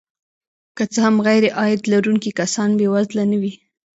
که څه هم غیرعاید لرونکي کسان بې وزله نه وي